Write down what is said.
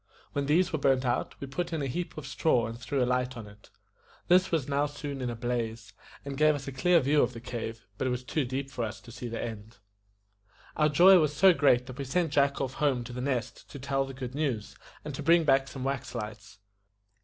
When these were burnt out, we put in a heap of straw and threw a light on it. This was now soon in a blaze, and gave us a clear view of the cave; but it was too deep for us to see the end. Our joy was so great that we sent Jack off home to The Nest to tell the good news, and to bring back some wax lights.